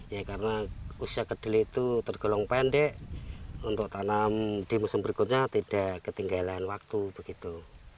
ya karena usia kedelai itu tergolong pendek untuk tanam di musim berikutnya tidak ketinggalan waktu begitu